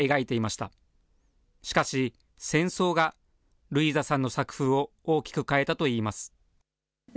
しかし、戦争がルイーザさんの作風を大きく変えたといいます。